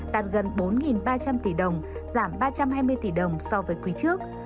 đạt gần bốn ba trăm linh tỷ đồng giảm ba trăm hai mươi tỷ đồng so với quý trước